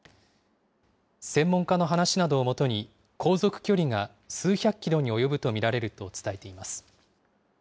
専門家の話などをもとに、航続距離が数百キロに及ぶと見られると伝えています。